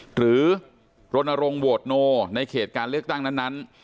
หรือรณรงค์โวทนิดต่อในการเลือกตั้งนั้น